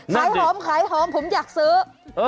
นั่นดิขายหอมผมอยากซื้ออยากซื้อ